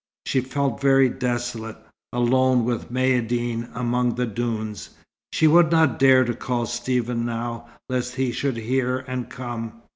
She felt very desolate, alone with Maïeddine among the dunes. She would not dare to call Stephen now, lest he should hear and come.